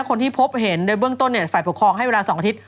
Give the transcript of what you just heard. คนที่พบเห็นในเบื้องต้นฝ่ายปกครองให้เวลา๒อาทิตย